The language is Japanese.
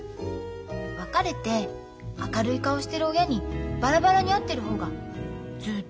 別れて明るい顔してる親にバラバラに会ってる方がずっといいわ。